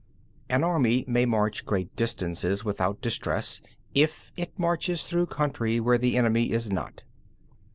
6. An army may march great distances without distress, if it marches through country where the enemy is not.